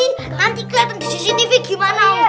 nanti kelihatan di cctv gimana